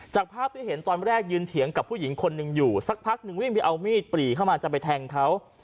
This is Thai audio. จากภาพที่เห็นตอนแรกยืนเถียงกับผู้หญิงคนหนึ่งอยู่สักพักนึงวิ่งไปเอามีดปรีเข้ามาจะไปแทงเขา